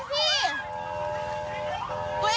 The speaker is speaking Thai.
ตัวเองลากขึ้นไปเลย